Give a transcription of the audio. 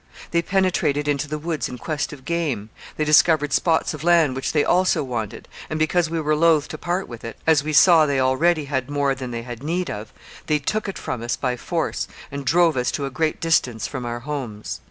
They penetrated into the woods in quest of game, they discovered spots of land which they also wanted, and because we were loath to part with it, as we saw they already had more than they had need of, they took it from us by force and drove us to a great distance from our homes.